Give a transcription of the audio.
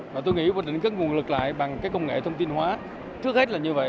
và tôi nghĩ hoạch định các nguồn lực lại bằng công nghệ thông tin hóa trước hết là như vậy